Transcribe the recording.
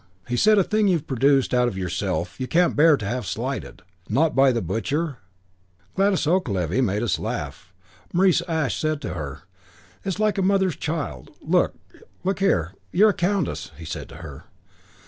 He said a thing you've produced out of yourself you can't bear to have slighted not by the butcher. Gladys Occleve made us laugh. Maurice Ash said to her, 'It's like a mother's child. Look here, you're a countess,' he said to her.